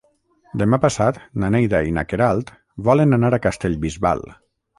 Demà passat na Neida i na Queralt volen anar a Castellbisbal.